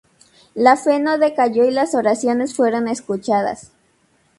La fe no decayó y las oraciones fueron escuchadas.